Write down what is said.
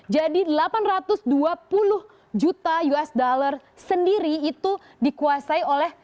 jadi delapan ratus dua puluh juta usd sendiri itu dikuasai oleh